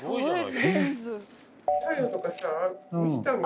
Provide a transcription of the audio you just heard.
えっ！